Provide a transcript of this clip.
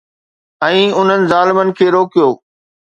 ۽ انهن ظالمن کي روڪيو